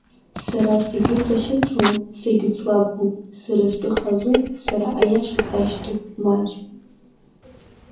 Сара сагьуҵашьыцуам, сагьуацлабуам, сара стәы хазуп, сара аиаша сашьҭоуп, Маџь.